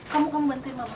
kamu bantuin mama